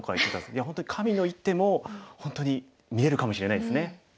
いや本当に神の一手も本当に見えるかもしれないですね。